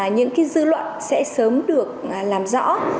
những cái dư luận sẽ sớm được làm rõ